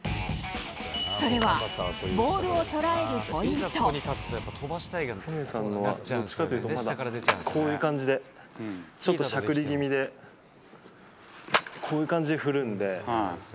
それは、ボールを捉えるポイ亀梨さんのは、どっちかというとまだこういう感じで、ちょっとしゃくり気味で、こういう感じで振るんで。